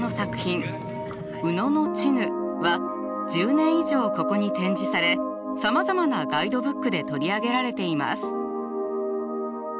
「宇野のチヌ」は１０年以上ここに展示されさまざまなガイドブックで取り上げられています。